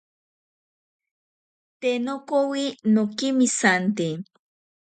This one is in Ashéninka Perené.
Te nokowi nokemisante.